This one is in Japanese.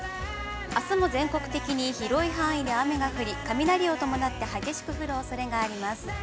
あすも全国的に広い範囲で雨が降り、雷を伴って、激しく降るおそれがあります。